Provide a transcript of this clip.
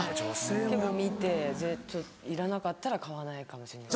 結構見ていらなかったら買わないかもしれない。